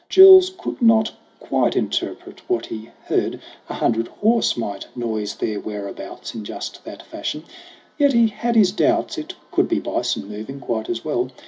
Jules could not quite interpret what he heard ; A hundred horse might noise their whereabouts In just that fashion ; yet he had his doubts. It could be bison moving, quite as well.